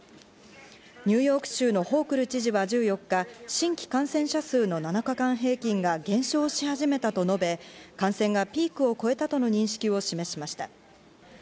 ニューヨーク州のホークル知事は１４日、新規感染者数の７日間平均が減少しはじめたと述べ、感染がピークを越えたとの認識を示しました。